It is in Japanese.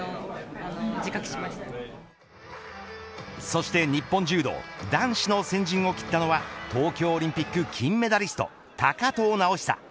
そして日本柔道男子の先陣を切ったのは東京オリンピック金メダリスト高藤直寿。